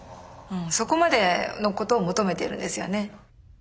そこまでのことを求めているんですよね。